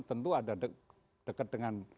tentu ada dekat dengan